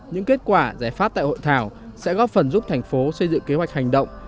những kết quả giải pháp tại hội thảo sẽ góp phần giúp thành phố xây dựng kế hoạch hành động